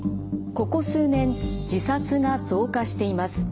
ここ数年自殺が増加しています。